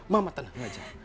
mama tenang saja